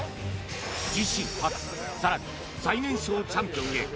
自身初更に最年少チャンピオンへ。